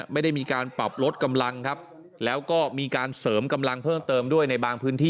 ไม่ได้มีการปรับลดกำลังครับแล้วก็มีการเสริมกำลังเพิ่มเติมด้วยในบางพื้นที่